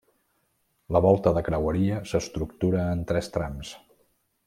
La volta de creueria s'estructura en tres trams.